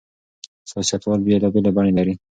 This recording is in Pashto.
سياستوال بېلابېلې بڼې لري.